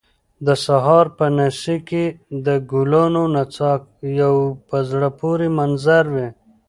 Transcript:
د سهار په نسي کې د ګلانو نڅا یو په زړه پورې منظر وي